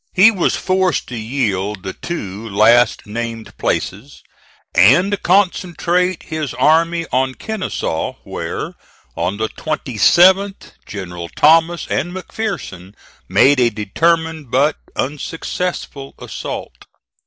He was forced to yield the two last named places, and concentrate his army on Kenesaw, where, on the 27th, Generals Thomas and McPherson made a determined but unsuccessful assault.